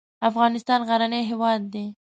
افغانستان غرنی هېواد دی.